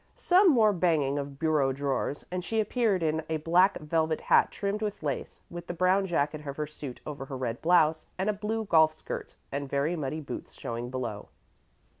Some more banging of bureau drawers, and she appeared in a black velvet hat trimmed with lace, with the brown jacket of her suit over her red blouse, and a blue golf skirt and very muddy boots showing below.